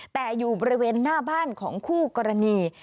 แต่อยู่บริเวณหน้าบ้านของคู่กรณี